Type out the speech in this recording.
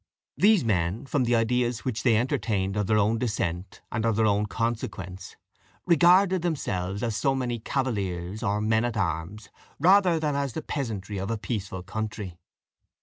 These men, from the ideas which they entertained of their own descent and of their own consequence, regarded themselves as so many cavaliers or men at arms, rather than as the peasantry of a peaceful country.